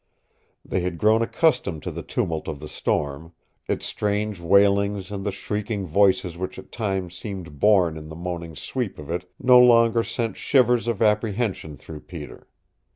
They had grown accustomed to the tumult of the storm. Its strange wailings and the shrieking voices which at times seemed borne in the moaning sweep of it no longer sent shivers of apprehension through Peter.